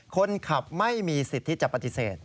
คนขับไม่มีสิทธิ์ที่จะปฏิเสธ